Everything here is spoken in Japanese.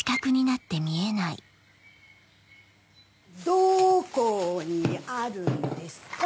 どこにあるんですか？